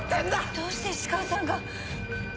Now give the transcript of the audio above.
⁉どうして石川さんが。